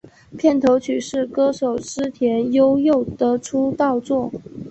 片头曲是歌手矢田悠佑的出道作。